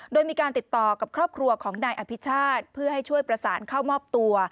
โดยมีการติดต่อกับครอบครัวของนายอภิชาติเพื่อให้ช่วยประสานเข้ามอบตัว